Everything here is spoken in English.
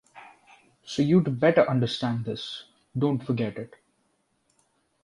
So you’d better understand this. Don’t forget it.